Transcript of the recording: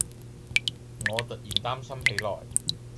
我突然擔心起來